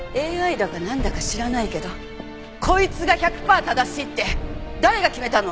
ＡＩだかなんだか知らないけどこいつが１００パー正しいって誰が決めたの？